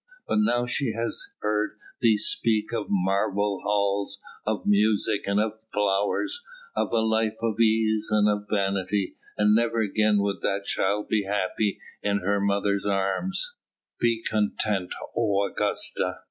But now she has heard thee speak of marble halls, of music and of flowers, of a life of ease and of vanity, and never again would that child be happy in her mother's arms. Be content, O Augusta!